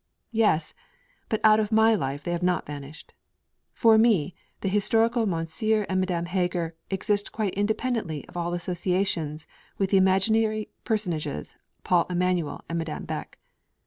Yes but out of my life they have not vanished! For me the historical Monsieur and Madame Heger exist quite independently of all associations with the imaginary personages Paul Emanuel and Madame Beck.